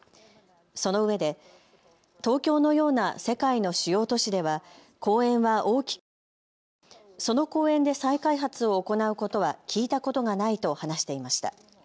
そのうえで東京のような世界の主要都市では公園は大きく不足し、その公園で再開発を行うことは聞いたことがないと話していました。